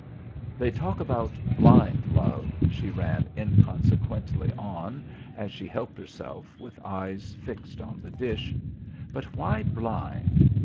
"They talk about 'blind Love,'" she ran inconsequently on as she helped herself, with eyes fixed on the dish, "but why blind?